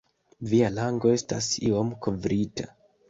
Via lango estas iom kovrita.